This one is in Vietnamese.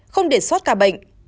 không để xót ca bệnh